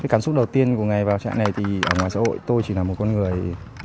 cảm xúc đầu tiên của ngày vào trạng này thì ở ngoài xã hội tôi chỉ là một con người